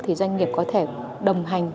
thì doanh nghiệp có thể đồng hành